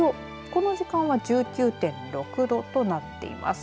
この時間は１９．６度となっています。